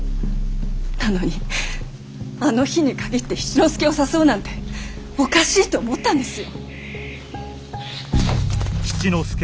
なのにあの日に限って七之助を誘うなんておかしいと思ったんですよ。